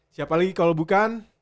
siapa lagi kalau bukan